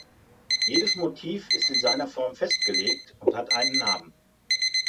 Jedes Motiv ist in seiner Form festgelegt und hat einen Namen.